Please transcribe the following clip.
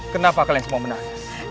kenapa kalian semua menangis